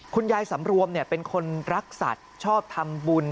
สำหรับสำรวมเป็นคนรักสัตว์ชอบทำบุญ